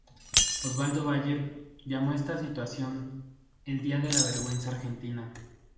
Osvaldo Bayer llamó a esta situación el “"día de la vergüenza argentina"".